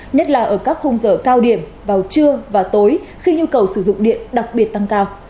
nhất là ở các khung giờ cao điểm vào trưa và tối khi nhu cầu sử dụng điện đặc biệt tăng cao